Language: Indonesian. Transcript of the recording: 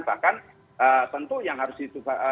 bahkan tentu yang harus diberatkan oleh masyarakat